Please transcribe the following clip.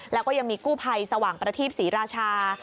แล้วก็ยังมีกู้ภัยสว่างประทีปศรีราชา